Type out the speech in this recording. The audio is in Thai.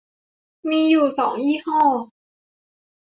มีอยู่สองยี่ห้อ